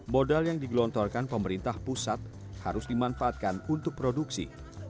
modal yang digelontorkan pemerintah pusat harus dimanfaatkan untuk produksi